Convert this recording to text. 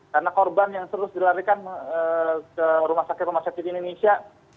karena korban yang terus dilarikan ke rumah sakit rumah sakit indonesia